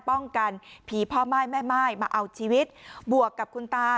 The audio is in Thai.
กันผีพ่อม่ายแม่ม่ายมาเอาชีวิตบวกกับคุณตา